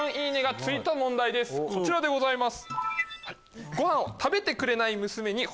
こちらでございます。